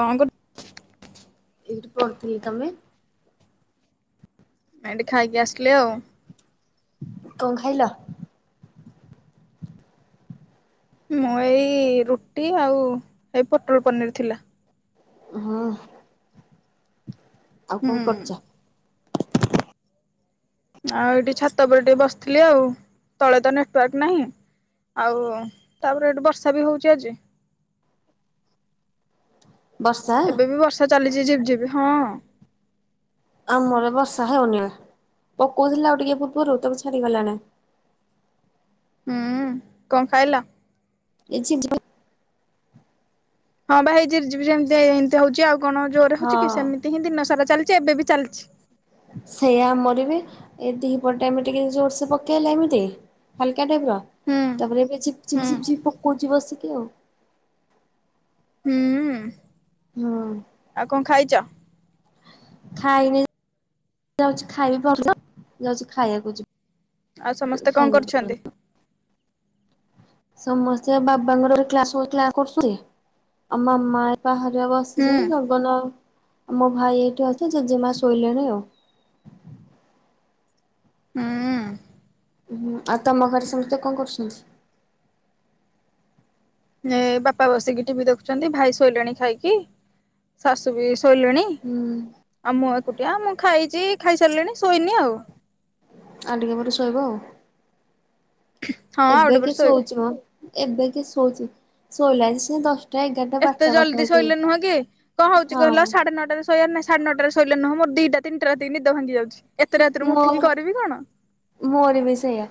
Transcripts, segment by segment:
କଁ କରୁ ଏଇଠୁ ପଢୁଥିଲି। ତମେ? ଏଇଠିଁ ଖାଇକି ଆସିଲେ ଆଉ। କଁ ଖାଇଲ? ମୁଁ ଏଇ ରୁଟି ଆଉ ହେଇ ପୋଟଳ ପନିରି ଥିଲା। ହଁ। ଆଉ କଁ ହୁଁ କରୁଚ? ଆଉ ଏଇଠି ଛାତ ଉପରେ ଟିକେ ବସିଥିଲି ଆଉ। ତଳେ ତ ନେଟୱାର୍କ ନାହିଁ। ଆଉ ତାପରେ ଏଠି ବର୍ଷା ବି ହୋଉଛି ଆଜି। ବର୍ଷା ଏବେ ବି ବର୍ଷା ଚାଲିଛି ଝିପିଝିପି ହଁ। ଆମର ବର୍ଷା ହେଉନି ଆଉ। ପକୋଉଥିଲା ଆଉ ଟିକେ ପୂର୍ବରୁ ତେଣୁ ଛାଡିଗଲାଣି। ହୁଁ, କଁ ଖାଇଲ? କିଛି ଗି ହଁ ପା ହେଇ ଝିପ୍ ଝିପ୍ ଯେମ୍ତି ଏମିତି ହୋଉଛି। ଆଉ କଣ ଜୋରରେ ହଁ ହୋଉଛି କି ସେମିତି ହିଁ ଦିନ ସାରା ଚାଲିଛି ଏବେ ବି ଚାଲିଛି। ସେଇୟା ଆମରବି, ଏ ଦିଇହର ଟାଇମ୍ ରେ ଟିକେ ଜୋର୍ସ ପକେଇଲା ଏମିତି। ହାଲ୍କା ଟାଇପ୍ ର, ହୁଁ ତାପରେ ଏବେ ଝିପ୍ ହୁଁ ଝିପ୍ ଝିପ୍ ଝିପ୍ ପକୋଉଛି ବସିକି ଆଉ। ହୁଁଉଁ। ହଁ। ଖାଇନି ଯାଉଛି ଖାଇବି [inaudible] ଯାଉଛି ଖାଇବାକୁ ଯିବି। ଆଉ ସମସ୍ତେ କଣ ଖାଇନି ଏପର୍ଯ୍ୟନ୍ତ। କରୁଛନ୍ତି? ସମସ୍ତେ ବାବାଙ୍କର ଏବେ କ୍ଲାସ ହୋଉଥିଲା କରୁସୁନ୍ତି ଆଉ ମାମା ଏଇ ବାହାରେ ବ ହୁଁ ସିଛନ୍ତି ଗଗନ ଆଉ ମୋ ଭାଇ ଏଇଠି ଅଛି ଜେଜେମା ଶୋଇଲେଣି ଆଉ। ଉଁ ଆଉ ତମ ଘରେ ସମସ୍ତେ କଣ କରୁଛନ୍ତି? ଏ ବାପା ବସିକି ଟିଭି ଦେଖୁଛନ୍ତି ଭାଇ ଶୋଇଲେଣି ଖାଇକି ଶାଶୁ ବି ଶୋଇଲେଣି। ହୁଁ। ଆଉ ମୁଁ ଏକୁଟିଆ ମୁଁ ଖାଇଛି ଖାଇସାରିଲିଣି ଶୋଇନି ଆଉ। ଆଉ ଟିକେ ପରେ ଶୋଇବ ଆଉ। ହଁ ଆଉ ଏବେ ଗୋଟେ ପରେ କିଏ ଶୋଇବି ଶୋଉଛି ମ ଏବେ କିଏ ଶୋଉଛି ଶୋଇଲା ଏ ସେ ଦଶ ଏତେ ଜଲ୍ଦି ଶୋଇଲେ ନୁହଁ କି କଣ ହଉଛି ହଁ କହିଲ ସାଢେ ନଅଟାରେ ଶୋଇିବାର ନାଇଁ ସାଢେନଅଟାରେ ଶୋଇିଲ ନୁହଁ ମୋ ଦିଟା ତିନିଟା ରାତିି ରୁ ନିଦ ଭାଙ୍ଗି ଯାଉଚି ଏତେ ରାତିରୁ ମୁ ଉଠିକି ମୋର କରିବି କଣ। ମୋର ବି ସେଆ।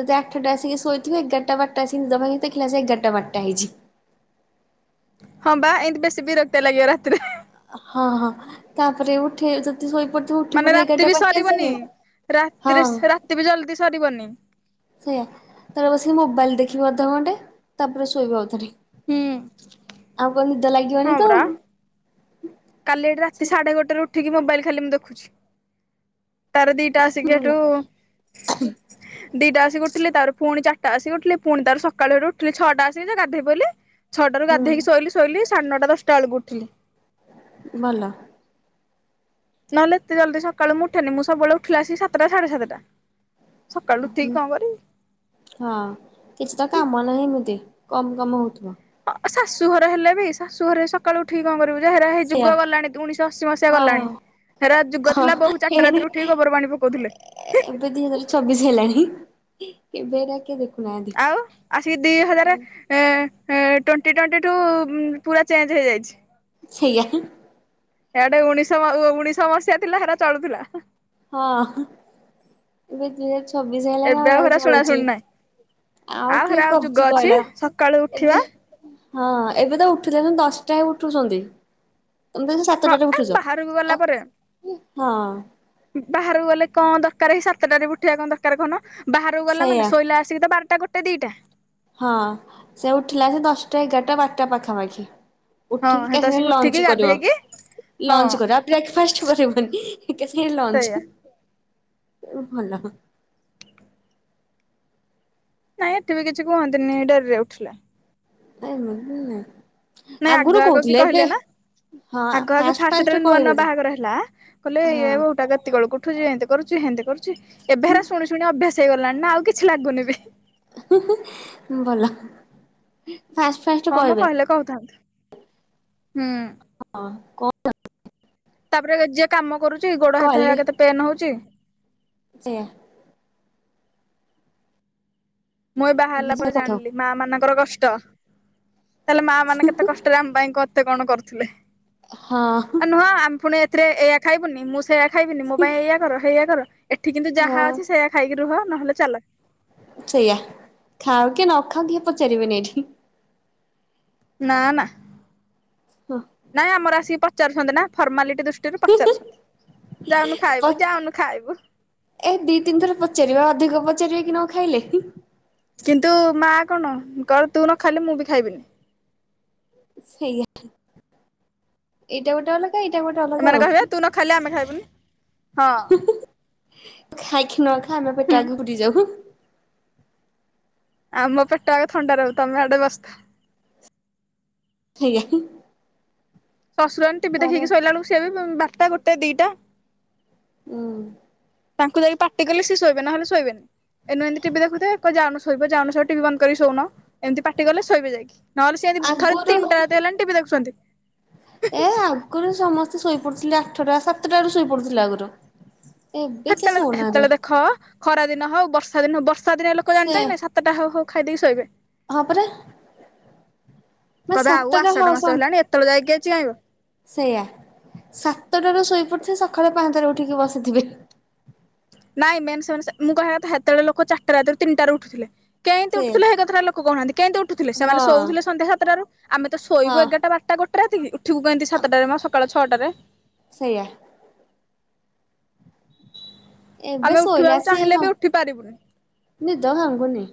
ଯଦି ଆଠଟା ଆସିକି ଶୋଇଥିବି ଏଗାରଟା ବାରଟା ଆସିକି ନିଦ ଭାଙ୍ଗି ଦେଖିଲା ସେ ଏଗାରଟା ବାରଟା ହେଇଛି। ହଁ ବା ଏମିତି ବେଶୀ ବିରକ୍ତିଆ ଲାଗିବ ରାତିରେ। ହଁ ହଁ ତାପରେ ଉଠିବେ ଯଦି ଶୋଇପ ମାନେ ରାତି ବି ସରିବନି ରାତିରେ ହଁ। ସେ ରାତି ବି ଜଲଦି ସରିବନି। ସେଇଆ ତା ପରେ ବସିକି ମୋବାଇଲ ଦେଖିବି ଅଧ ଘଣ୍ଟେ ତାପରେ ଶୋଇବି ଆଉଥରେ। ହୁଁ ଦ ଲାଗିବନ ହୁଁ ପରା। କାଲି ଏଠି ରାତି ସାଢେ ଗୋଟେରେ ଉଠିକି ମୋବାଇଲ ଖାଲି ମୁଁ ଦେଖୁଛି। ତାର ଦିଇଟା ଆସିକି ଭଲ ହେଠୁ ଆ ହୁଁ ଦିଟା ଆସିକି ଉଠିଲି ତାର ପୁଣି ଚାରିଟା ଆସିକି ଉଠିଲି ପୁଣି ତାର ସକାଳୁଆରୁ ଉଠିଲି ଛଅଟା ଆସିକି ଯେ ଗାଧଇ ପଇଲି। ଛଟାରୁ ହୁଁ ଗାଧେଇକି ଶୋଇଲି ଶୋଇଲି ସାଢେ ନଅଟା ଦଶଟା ବେଳକୁ ଉଠିଲି। ଭଲ। ନହଲେ ଏତେ ଜଲଦି ସକାଳ ମୁ ଉଠେନି ମୁଁ ସବୁବେଳେ ଉଠିଲା ଏ ଆସିକି ସାତଟା ସାଢେ ସାତଟା। ସକାଳୁ ଉଠିକି କଣ କରିବି? ହଁ କିଛି ତ କାମ ନାହିଁ ଇମିତି କମ କାମ ହଉଥିବ। ଅ ଶାଶୁଘର ହେଲେ ବି ଶାଶୁ ଘରେ ସକାଳୁ ଉଠିକି କଣ କରିବ ହେରା ହେଇ ସେଇଆ ଯୁଗ ଗଲାଣି ଉଣେଇଶହ ଅଶୀ ମସିହା ଗଲାଣି। ହଁ। ହେରା ଯୁଗ ହଁ ଥିଲା ବୋହୁ ଚାରିଟା ହେଇନି ରାତିରେ ଉଠିକି ଗୋବର ପାଣି ପକଉଥିଲେ। ଏବେ ଦି ହଜାର ଛବିଶ ହେଲାଣି ହି ହି ଏବେ ଏରା କିଏ ଦେଖୁ ଆଉ ଆସିକି ଦି ହଜାରେ ଏ ଏ ଟ୍ବେଣ୍ଟି ଟ୍ବେଣ୍ଟି ଠୁ ପୁରା ଚେଞ୍ଜ୍ ହେଇଯାଇଛି। ଛେଇଆ ହୁଁ। ଏଆଡେ ଉଣେଇଶହ ଉଣେଇଶହ ମସିହା ଥିଲା ସେଡା ଚଳୁଥିଲା। ହଁ ଏବେ ଦୁଇ ହଜାର ଛବିଶ ହେଲାଣି ଏବେ ଆଉ ଏରା ହେରା ଶୁଣା ଚଳୁଚି। ଶୁଣି ନାହିଁ ଆଉ କିଏ ହେରା ଯୁଗ କରୁଚି ଅଛି କହିଲ ସକାଳୁ ଉଠିବା ଏବେ। ହଁ ଏବେ ତ ଉଠୁଲେ ହିଁ ଦଶଟା ଉଠୁଛନ୍ତି। ତମେ ତାହାଲେ ହଁ ସାତଟାରେ ଏ ବାହାରକୁ ଗଲା ପରେ ଉଠୁଛ? ବାହାରକୁ ଗଲେ କଣ ଦରକାର କି ସାତଟାରେ ଉଠିବା କଣ ଦରକାର କହୁନ ବାହାରକୁ ଗଲା ସେଇଆ ମାନେ ଶୋଇଲା ଆସିକି ତ ବାରଟା ଗୋଟେ ଦିଇଟା ହଁ ସେ ଉଠିଲା ସେଦଶଟା ଏଗାରଟା ବାରଟା ପାଖାପାଖି। ହଁ ଉଠିକି ହେତ ଏକାସାଙ୍ଗେ ଆସିକି ଉଠିକି ଲଞ୍ଚ କରିବ। ଗାଧେଇକି ହଁ ଲଞ୍ଚ କରିବ ଆଉ ବ୍ରେକଫାଷ୍ଟ କରିବନି ଏକା ସାଙ୍ଗରେ ସେଇଆ ଲଞ୍ଚ। ଉଁ ଭଲ। ନାଇଁ ଏଠିବି କିଛି କୁହନ୍ତିନି ଡେରିରେ ଉଠିଲେ। [unintelligible] ଏ ନାଇଁ ଆଗ ଆଗରୁ ଆଗ କି କହୁଥିଲେ ଏବେ କହିଲେ ନା ଆଗ ଆଗେ ଫାଷ୍ଟ ଯେତେବେଳେ ନୂଆ ନୂଆ ବାହାଘର ହେଲା କହିଲେ ହଁ ବୋହୂଟା ଏତିକିବେଳକୁ ଉ ଉଠୁଚି ଏମିନ୍ତି କରୁଚି ହେନ୍ତି କରୁଚି ଏବେ ହେରା ଶୁଣି ଶୁଣି ଅଭ୍ୟାସ ହେଇଗଲାଣିନା ଆଉ କିଛି ଲାଗୁନିବି। ଭଲ ଫାଷ୍ଟ ହଁ ମ କହିବେ କହିଲେ କହୁଥାନ୍ତୁ ହୁଁ। ହଁ କ ତାପରେ ଯିଏ କାମ କରୁଚି ଗୋଡ଼ ହାତ କହିଲେ ହେରା କେତେ ପେନ୍ ହଉଚି ସେଇଆ। ମୁଁ ବାହାହେଲା ପରେ ହଁ ଜାଣିଲି ମା ମାନଙ୍କର କଷ୍ଟ ତାହେଲେ ମା ମାନେ କେତେ କଷ୍ଟ ଆରେ ଆମ ପାଇଁ କେତେ କଣ କରୁଥିଲେ। ହଁ। ହଁ ଆମେ ଫୁଣି ଏଥିରେ ଏଇଆ ଖାଇବୁନି ମୁଁ ସେଇୟା ଖାଇବିନି ମୋ ପାଇଁ ଏଇଆ କର ହେଇୟା କର। ଏଠି କିନ୍ତୁ ଯାହା ଅଛି ସେୟା ଖାଇକି ରୁହ ନହେଲେ ଚାଲ। ସେଇଆ ଖାଅ କି ନ ଖାଅ କେହି ପଚାରିବେନି ଏଇଠି। ନା ନା। ହଁ। ନାଇଁ ଆମର ଆସି ପଚାରୁସନ୍ତି ନା ଫର୍ମାଲିଟି ଦୃ ପଚାରୁଛନ୍ତି ଯାଉନୁ ଖାଇବୁ ଯାଉନୁ ଖାଇବୁ। ଏ ଦିଇ ତିନି ଥର ପଚାରିବେ ଅଧିକ ପଚାରିବେକି ନ ଖାଇଲେ। କିନ୍ତୁ ମା କଣ କଁ ତୁ ନଖାଇଲେ ମୁଁ ବି ଖାଇବିନି। ସେଇଆ ଏଇଟା ଗୋଟେ ଅଲ ଏଇଟା ଗୋଟେ ଅଲ ଏମାନେ କହିବେ ତୁ ନଖାଇଲେ ଆମେ ଖାଇବୁନି ହଁ। ଖାଇକି ନ ଖା ଆମେ ପେଟ ହୁଁ ଆଗ ପୁରି ଯାଉ। ଆମ ପେଟ ଆଗ ଥଣ୍ଡା ରହୁ ତମେ ଆଡ଼େ ବସିଥା। ସେଇଆ। ଶଶୁର ଟିଭିି କର ଦେଖିକି ଶୋଇଲା ବେଳକୁ ସେ ବି ବାରଟା ଗୋଟେ ଦିଟା। ଉଁ। ତାଙ୍କୁ ଯାଇକି ପାଟି କଲେ ସେ ଶୋଇବେ ନହେଲେ ଶୋଇବେନି। ଏଇନା ଏନ୍ତି ଟିଭି ଦେଖୁଥିବେ କହିବି ଯାଉନ ଶୋଇବ ଯାଉନ ଶୋଇବ ଟିଭି ବନ୍ଦ କରି ଶୋଉନ ଏନ୍ତି ପାଟି ପାଟି କଲେ ଶୋଇବେ ଯାଇକି ନହେଲେ ସିଏ ଥରେ ଆଗରୁ ତିନିଟା ରାତି ହେଲାଣି ଟିଭିି ଏ ଦେଖୁଚନ୍ତି। ଆଗରୁ ସମସ୍ତେ ଶୋଇପଡୁଥିଲେ ଆଠଟା ସାତଟା ଟାରୁ ଶୋଇପଡୁଥିଲେ ଆଗରୁ। ଏବେ କିଏ ଶୋଉନାହାନ୍ତି ହେତେଳେ-ହେତେଳେ ଦେଖ ଖରା ଦିନ ହଉ ବର୍ଷା ଦିନ ବର୍ଷ ର୍ଷା ଦିନିଆ ଲୋକ ସେ ଜାଣିଚ କି ନାଇଁ ସାତଟା ହଉ-ହଉ ଖାଇଦେଇକି ଶୋଇବେ। ହଁ ପରା ମାନେ କଇଁବେ ଆଉ ସାତଟା ଆଷାଢ଼ ମାସ ହେଲାଣି ଏତେବେଳେ ଯାଏ କିଏ ଚେଇଁବ। ସେୟା ସାତଟାରୁ ଶୋଇପଡ଼ିଥିବେ ସଖାଳେ ପାହାନ୍ତାରେ ଉଠିକି ବସିଥିବେ। ନାଇ ମେନ୍ ସେମାନେ ସେ ମୁଁ କହିବା କଥା ହେତେବେଳେ ଲୋକ ଚାରିଟା ରାତିରୁ ତିନିଟା ରୁ ଉଠୁଥିଲେ କେଇଁତି ସେ ଉଠୁଥୁଲେ ହେ କଥାଟା ଲୋକ କହୁନାହାନ୍ତି କେମିତି ଉଠୁଥିଲେ ହଁ ସେମାନେ ଶୋଉଥିଲେ ସନ୍ଧ୍ୟା ସାତଟରୁ ଆମେତ ହଁ ଶୋଇବୁ ଏଗାରଟା ବାରଟା ଗୋଟେ ରାତିକି ଉଠିବୁ କେମିତି ସାତଟାରେ ମ ସକାଳ ଛଅଟାରେ। ସେଇଆ। ଏବେ ଆମେ ଶୋଇଲେ ଉଠିବାକୁ ଆସି ଚାହିଁଲେ ସ ବି ଉଠି ପାରିବୁନି ନିଦ ଭାଙ୍ଗୁନି।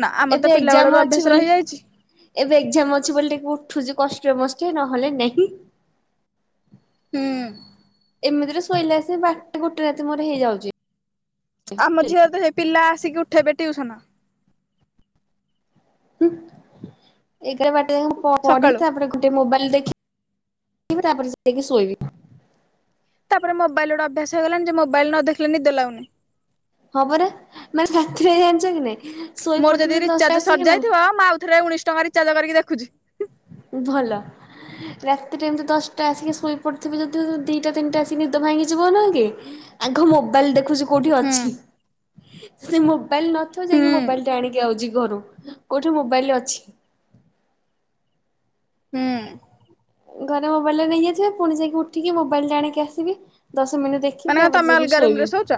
ନା ଆମର ତ ଏବେ ପିଲା ବେଳରୁ ଏଗଜାମ୍ ଅଭ୍ୟାସ ଅଛି ବୋଲି। ରହିଯାଇଛି। ଏବେ ଏଗଜାମ ଅଛି ବୋଲି ଟିକେ ଉଠୁଚି କଷ୍ଟେ ମଷ୍ଟେ ନହେଲେ ନେହିଁ। ହୁଁ। ଏମିତିରେ ଶୋଇଲେ ଆସି ବାରଟା ଗୋଟେ ରାତି ମୋର ହେଇଯାଉଚି। ଆମ ଝିଅର ତ ସେ ପିଲା ଆସିକି ଉଠେଇବେ ଟିଉସନ। ହୁଁ ଏଗାର ବାରଟା ଯାକେଁ ମୁଁ ପ ପଢିକି, ସକାଳୁ। ତା ପରେ ଘ ଉଁ ଟି ମୋବାଇଲ ଦେଖି ଇବି ତାପରେ ଯାଇକି ଶୋଇବି। ତାପରେ ମୋବାଇଲ ରେ ଗୋଟେ ଅଭ୍ୟାସ ହେଇ ଗଲାଣି ଯେ ମୋବାଇଲ ନ ଦେଖିଲେ ନିଦ ଲାଗୁନି। ହଁ ପରା ମାନେ ସାଥିରେ ଜାଣିଚ କି ନାଇଁ। ଶୋଇ ମୋର ପଡିଥିବି ଯଦି ଦଶଟା ରିଚାର୍ଜ ଆସିକି ସରି ନା ଯାଇଥିବ। ମୁଁ ଆଉଥରେ ଉଣେଇଶ ଟଙ୍କା ରିଚାର୍ଜ କରିକି ଦେଖୁଜି। ଭଲ। ରାତିରେ ଏମିତି ଦଶଟା ଆସିକି ଶୋଇ ପଡିଥିବୁ ଯଦି ଉ ଦିଟା ତିନଟା ଆସିକି ନିଦ ଭାଙ୍ଗିଯିବ ନାହିଁ କି। ଆଁଘ ମୋବାଇଲ ଦେଖୁଜୁ। କୋଉଠି ହୁଁ ଅଛି ସେ ମୋବାଇଲ ନଥିବ ହୁଁ ଯାଇକି ମୋବାଇଲ ଟେ ଆଣିକି ଆଉଚି ଘରୁ। କୋଉଠି ମୋବାଇଲ ଅଛି। ହୁଁ। ଉଁ ଘରେ ମୋବାଇଲ ରେ ନେଇଯାଇ ଥିବ। ପୁଣି ଯାଇକି ଉଠିକି ମୋବାଇଲ ଟା ଆଣିକି ଆସିବି। ଦଶ ମିନିଟ ଦେଖ ଖିବ ମାନେ ତା ପରେ ତମେ ଯାଇକି ଅଲଗା ରୁମ ଶୋଇବି। ରେ ଶୋଉଛ?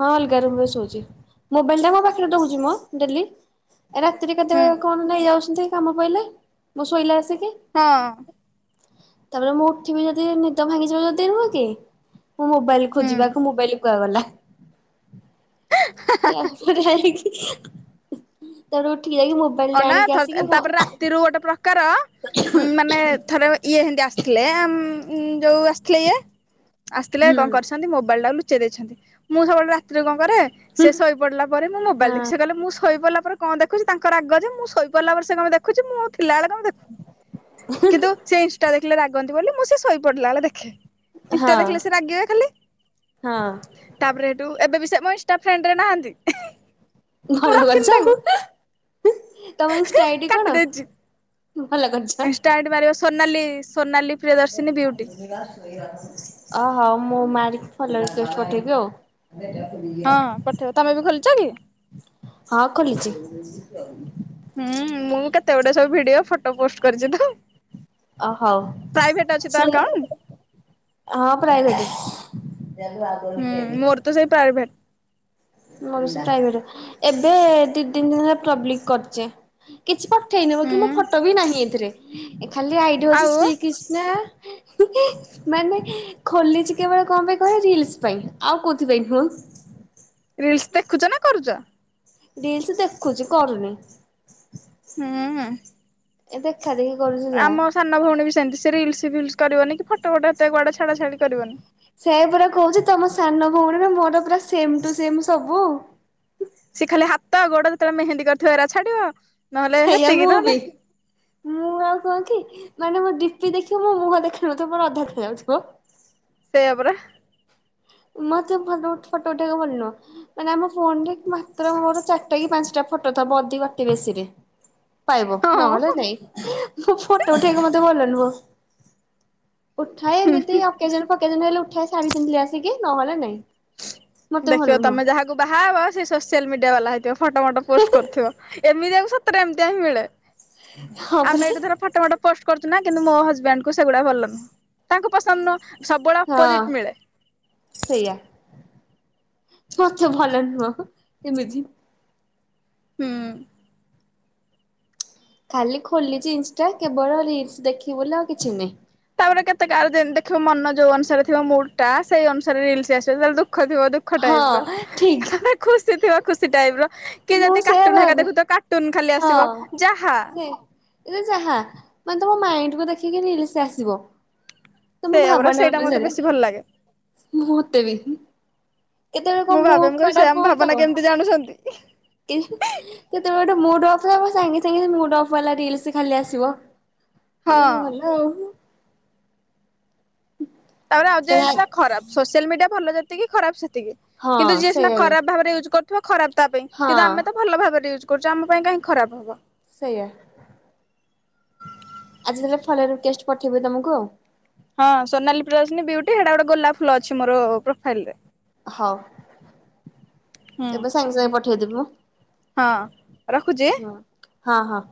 ହଁ ଅଲଗା ରୋମ ରେ ଶୋଉଚି। ମୋବାଇଲ ଟା ମୋ ପାଖରେ ଦଉଚି ମ ଡେଲି। ଏ ରାତିରେ ହୁଁ କେତେବେଳେ କଣ ନେଇଯାଉଛନ୍ତି କାମ ପଇଲେ। ମୁଁ ଶୋଇଲେ ଆସିକି। ହଁ। ତାପରେ ମୁଁ ଉଠିବି ଯଦି ନିଦ ଭାଙ୍ଗିଯିବ ଯଦି ନୁହଁ କି। ମୁଁ ମୋବାଇଲ ହୁଁ ଖୋଜିବାକୁ ମୋବାଇଲ କୁଆ ବଲହା। [unintelligible] ତାପରେ ଉଠିକି ଯାଇକି ମୋବ ଅ ନା ଥଲ ଏତ ତାପରେ ରାତିରୁ ଗୋଟେ ପ୍ରକାର। ଉଁ ମାନେ ଥରେ ଇଏ ହେମତି ଆସିଥିଲେ ଆମ ଉଁ ଯୋଉ ଆସିଥିଲେ ଇଏ। ଆସିଥିଲେ ହୁଁ କଣ କରିଛନ୍ତି ମୋବାଇଲଟା ଲୋଚ ଚେଇ ଦେଇଛନ୍ତି। ମୁଁ ସବୁବେଳେ ରାତିରେ କଣ କରେ ସେ ଶୋଇ ପଡିଲା ପରେ ମୁଁ ମୋବାଇଲ ଦେଖେ। ସେ କହିଲେ ମୁଁ ଶୋଇ ପଡିଲା ପରେ କଣ ଦେଖୁଚି ତାଙ୍କ ରାଗ ଯେ ମୁଁ ଶୋଇପଡିଲା ପରେ ସେ କଣ ଦେଖୁଚି। ମୁଁ ଉଠିଲାଳେ କଣ ଦେଖୁନି କିନ୍ତୁ ସେ ଇନସଟା ଦେଖିଲେ ରାଗନ୍ତି ବୋଲି ମୁଁ ସେ ଶୋଇ ପଡିଲା ବେଳେ ଦେଖେ। ହଁ ଇନଷ୍ଟା ଦେଖିଲେ ସେ ରାଗିବେ ଖାଲି। ହଁ। ତାପରେ ହେଟୁ ଏବେ ବି ସେ ମୋ ଇନଷ୍ଟା ଫ୍ରେଣ୍ଡରେ ନାହାନ୍ତି। ହେଁ ଭଲ କରିଚ ହୁ ହିଁ ହୁଁ ତମ ଇନଷ୍ଟା ଆଇଡି କାଟି କଣ? ଦେଇଛି। ଭଲ କରିଛ ଇନଷ୍ଟା ଆଇଡି ମାରିବ ସୋନାଲି ସୋନାଲି ପ୍ରିୟଦର୍ଶିନୀ ବିୟୁଟି। ଅହୋ ମୁଁ ମାରିକ୍ ଫଲୋ ରିକ୍ୱେଷ୍ଟ ପଠେଇବି ଆଉ। ଏ [unintelligible] ହଁ ପଠେଇବ ତମେ ବି ଖୋଲିଚ କି? ହଁ ଖୋଲିଚି। ହୁଁ ମୁଁ କେତେ ଗୁଡେ ସବୁ ଭିଡିଓ ଫଟ ଟ ପୋଷ୍ଟ କରିଚ ତ ଅ ହଉ ପ୍ରାଇଭେଟ ଅଛି ତ ଶୁଣ ଆକାଉଣ୍ଟ। ହଁ ପ୍ରାଇଭେଟ ଅଛି। ହୁଁ। ମୋର ତ ସେଇ ପ୍ରାଇଭେଟ। ମଉସା ରହିବେ, ଏବେ ଦି ତିନି ଦିନ ପୂର୍ବଲିକ କରିଛେ କିଛି ପଟ ଠଇ ନେବ କି ମୋ ହୁଁ ଫଟୋ ବି ନାହିଁ ଏଥିରେ ଖାଲି ଆଇଡ଼ିଆ ହେଉଛି ଆଉ ଶ୍ରୀକୃଷ୍ଣା। ମାନେ ଖୋଲିଛି କେବଳ କଣ ପାଇଁ କହିଲ ରିଲସ ପାଇଁ। ଆଉ କୋଉଥିପାଇଁ ନୁହ। ରିଲସ୍ ଦେଖୁଚ ନା କରୁଚ? ରିଲସ୍ ଦେଖୁଚି କରୁନି। ହୁଁ ହୁଁ। ଏ ଦେଖା ଦେଖି କରୁଚି ଯାହା। ସାନ ଭଉଣୀ ସେମତି ସେ ରିଲସ୍ ଫଲସ୍ କରିବନି କି ଫଟ ଫଟ ଏତେ କୁଆଡେ ଛଡା ଛାଡି କରିବନି। ସେଇୟା ପରା କୋହୁଚି ତମ ସାନ ଭଉଣୀର ମୋର ପୁରା ସେମ୍ ଟୁ ସେମ୍ ସବୁ। ସେ ଖାଲି ହାତ ଗୋଡ ଯେତେବେଳେ ମେହେନ୍ଦୀ କରିଥିବ ଏରା ଛାଡିବ। ନହେଲେ ସେଇୟା ହେତିକି ମୁଁ ନହେଲେ ବି। ମୁଁ ଆଉ କଣ କି ମାନେ ମୋ ଡିପି ଦେଖି ମୋ ମୁହଁ ଦେଖା ହୋଉନଥିବ। ମୋର ଅଧା ଦେଖା ଯାଉଥିବ। ସେଇୟା ପରା। ମତେ ଫଟ ଉଠେ ଫଟ ଉଠେଇ ଭଲ ନୁହଁ। [unintelligible] ମାନେ ଆମ ଫୋନରେ ମାତ୍ର ମୋର ଚାରିଟା କି ପାଞ୍ଚଟା ଫଟୋ ଥବ ଅତି ବାକି ବେଶୀରେ। ପାଇବ ନହେଲେ ହଁ। ନାଇଁ ଫଟୋ ଉଠେଇବାକୁ ମତେ ଭଲ ନୁହଁ। ଉଠାଏ ଏମିତି ଅକେଜନ ଫକେଜନ ହେଲେ ଉଠାଏ ଶାଡି ପିନ୍ଧିଲେ ଆସିକି ନହେଲେ ନାଇଁ। ମତେ ଦେଖିବ ଭଲ ତମେ ନୁହଁ ଯାହାକୁ ବାହାହବ। ସେ ସୋସିଆଲ ମିଡିଆ ବାଲା ହେଇଥିବ। ଫଟ ଫଟ ପୋଷ୍ଟ କରୁଥିବ। ଏମିତିଆକୁ ସତରେ ଏମିତିଆ ହିଁ ମିଳେ ହଁ ପରା ଆମେ ଏଇଠି ଧର ଫଟ ଫଟ ପୋଷ୍ଟ କରୁଚି ନା କିନ୍ତୁ ମୋ ହଜବେଣ୍ଡକୁ ସେଗୁଡା ଭଲ ନୁହଁ, ତାଙ୍କୁ ପସନ୍ଦ ନୁହଁ। ସବୁବେଳେ ଅପୋଜିଟ୍ ହଁ ମିଳେ। ସେଇଆ। ମତେ ଭଲ ନୁହଁ ଏମିତି। ହୁଁ। ଖାଲି ଖୋଲିଚି ଇନଷ୍ଟା କେବଳ ରିଲସ୍ ଦେଖିବି ବୋଲି ଆଉ କିଛି ନାହିଁ। ତାପରେ କେତେ କାହାକୁ ଦେ-ଦେଖିବ ମନ ଯୋଉ ଅନୁସାରେ ଥିବ ମୁଡ୍ ଟା ସେଇ ଅନୁସାରେ ରିଲସ୍ ଆସିବ। ଯେତେବେଳେ ଦୁଃଖ ଥିବ ଦୁଃ ଖ ଟାଇପର। ହଁ ଠିକ [unintelligible] ଖୁସି ଥିବ ଖୁସି ଟାଇପର କି ମୁଁ ଯଦି ସେୟା କାର୍ଟୁନ ହେରିକା ଭାବେ ଦେଖୁଥିବ କାର୍ଟୁନ ଖାଲି ଆସିବ ଯାହା। ରେ ଯାହା ମାନେ ତମ ମାଇଣ୍ଡକୁ ଦେଖିକି ରିଲସ୍ ଆସିବ। ତମ ସେଇଆ ପରା ଭାବନା ସେଇଟା ମତେ ଅନୁସାରେ ବେଶୀ ଭଲ ଲାଗେ। ମଃତେ ବି। କେତେବେଳେ କଣ ମୁଁ ଭାବେ ମୁଡ୍ ମୁଁ କହିବି ସେ ଆମ ଖରାପ ଭାବନା ହୋଉଥବ କେମିତି ଜାଣୁଛନ୍ତି ଇହିଁ। କେତେ [unintelligible] ମୁଡ୍ ଅଫ୍ ସାଙ୍ଗେ ସାଙ୍ଗେ ମୁଡ୍ ଅଫ୍ ବାଲାର ରିଲସ୍ ଖାଲି ଆସିବ। ମୁଁ କହିଲି ହଁ। ଭଲ ଆଉ। ତାପରେ [unintelligible] ଖରାପ ସୋସିଆଲ ମିଡିଆ ଭଲ ଯେତିକି ଖରାପ ସେତିକି। ହଁ କିନ୍ତୁ ଯିଏ ସିନା ସେଇଆ ବେ ଖରାପ ଭାବରେ ୟୁଜ କ ରୁଥିବ ଖରାପ ତା ପାଇଁ ହଁ କିନ୍ତୁ ଆମେ ତ ଭଲ ଭାବରେ ୟୁଜ୍ କରୁଚୁ। ଆମ ପାଇଁ କାହିଁ ଖରାପ ହବ। ସେଇୟା ଆଜି ତାହେଲେ ଫଲୋ ରିକୁଏଷ୍ଟ ପଠେଇବି ତମକୁ ଆଉ। ହଁ ସୋନାଲି ପ୍ରିୟଦର୍ଶନି ବିଉଟି ହେଟା ଗୋଟେ ଗୋଲାପ ଫୁଲ ଅଛି ମୋର ପ୍ରୋଫାଇଲରେ। ହୋଉ ହୁଁ ଏବେ ସାଙ୍ଗେ ସାଙ୍ଗେ ପଠେଇଦେବି ମୁଁ। ହଁ ରଖୁଚି ଆଁ। ହଁ ହଁ।